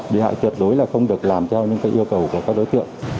đi hại tuyệt đối là không được làm cho những yêu cầu của các đối tượng